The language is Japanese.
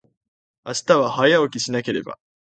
明日は、早起きしなければ。